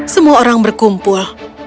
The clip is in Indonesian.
semua orang berkumpul